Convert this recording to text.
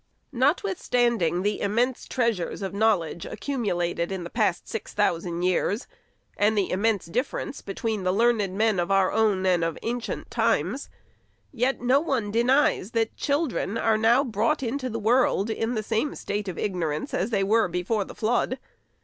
Notwithstanding the immense treasures of knowledge accumulated in the past six thousand years, and the im mense difference between the learned men of our own and of ancient times, yet no one denies that children are now brought into the world in the same state of igno rance as they were before the flood.